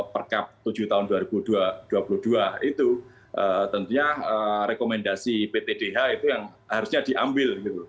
per kap tujuh tahun dua ribu dua puluh dua itu tentunya rekomendasi pt dh itu yang harusnya diambil